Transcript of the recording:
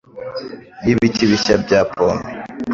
y'ibiti bishya bya pome